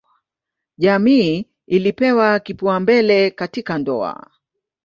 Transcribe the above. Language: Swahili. Jamii ilipewa kipaumbele katika ndoa.